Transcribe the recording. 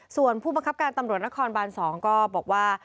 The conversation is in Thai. ส่วนผู้บังคับการตำรวจนครบาน๒ก็บอกว่า